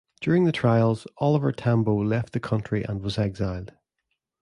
During the trials, Oliver Tambo left the country and was exiled.